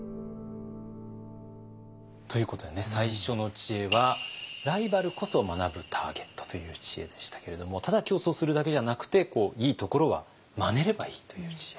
ということでね最初の知恵はライバルこそ学ぶターゲットという知恵でしたけれどもただ競争するだけじゃなくていいところはまねればいいという知恵。